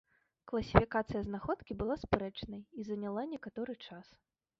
Класіфікацыя знаходкі была спрэчнай і заняла некаторы час.